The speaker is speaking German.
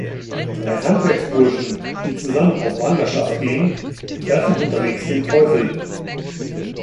Drei Handwerksburschen, die zusammen auf Wanderschaft gehen, treffen unterwegs den Teufel.